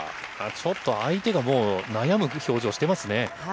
ちょっと相手がもう悩む表情をしてますね。